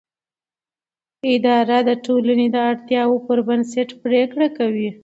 اداره د ټولنې د اړتیاوو پر بنسټ پریکړه کوي.